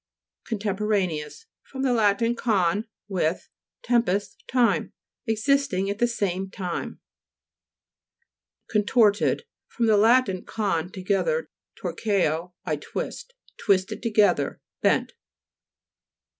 CONTEMPORANEOUS fr. lat. con, with, tempus, time. Existing at the same time. CONTO'RTED fr. lat. con, together, torqueo, I twist. Twisted together ; bent.